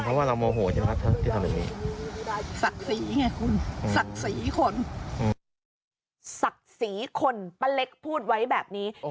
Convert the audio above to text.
ศักดิ์ศรีคนป้าเล็กพูดไว้แบบนี้